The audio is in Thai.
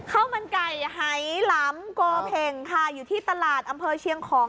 ข้าวมันไก่หายหลำโกเพ่งค่ะอยู่ที่ตลาดอำเภอเชียงของ